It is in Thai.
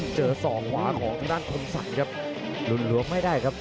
เจอทองขวาของทางด้านคมสัตว์ครับ